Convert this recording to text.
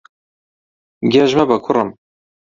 گێژ مەبە، کوڕم.